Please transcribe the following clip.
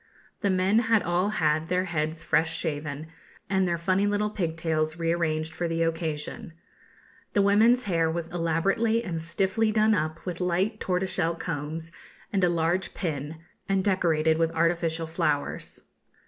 The men had all had their heads fresh shaven, and their funny little pigtails rearranged for the occasion. The women's hair was elaborately and stiffly done up with light tortoiseshell combs and a large pin, and decorated with artificial flowers.